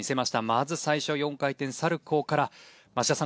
まず最初４回転サルコウから町田さん